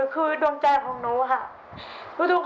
คือแบบหนูก็